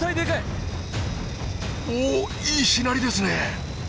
おおいいしなりですね！